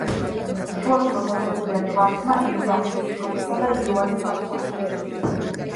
შუაში მოთავსებულია ჯვარცმა, იქვეა ღვთისმშობლისა და იოანეს გამოსახულებები.